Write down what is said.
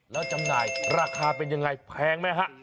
แล้วจำหน่ายราคาเป็นยังไงแพงไหมฮะ